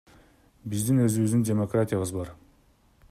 Биздин өзүбүздүн демократиябыз бар.